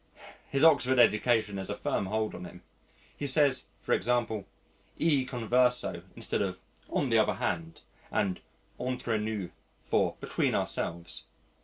His Oxford education has a firm hold on him. He says for example, "e converso" instead of "on the other hand" and "entre nous" for "between ourselves."